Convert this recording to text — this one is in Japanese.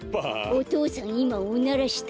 お父さんいまおならしたね？